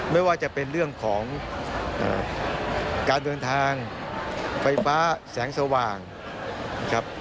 ไม่ว่าจะเป็นเรื่องของการเดินทางไฟฟ้าแสงสว่างครับ